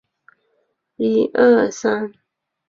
兰开斯特王朝是英国历史上的一个王朝。